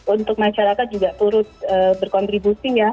untuk masyarakat juga turut berkontribusi ya